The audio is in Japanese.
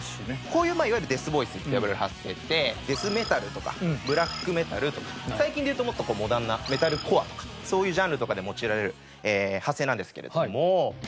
こういういわゆるデスボイスって呼ばれる発声ってデスメタルとかブラックメタルとか最近でいうともっとモダンなメタルコアとかそういうジャンルとかで用いられる発声なんですけれども。